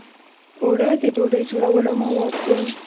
اوړه د ډوډۍ جوړولو مواد دي